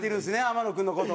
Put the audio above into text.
天野君の事。